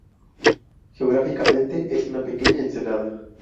Geográficamente es una pequeña ensenada.